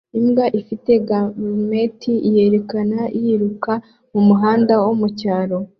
Imbwa ifite garmet yerekana yiruka mumuhanda wo mucyaro